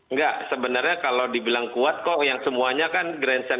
nggak sebenarnya kalau dibilang kuat kok yang semuanya kan grandstand